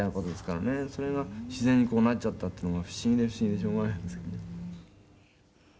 「それが自然にこうなっちゃったっていうのが不思議で不思議でしょうがないんですけどね」